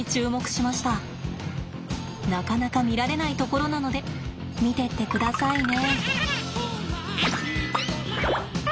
なかなか見られないところなので見てってくださいね。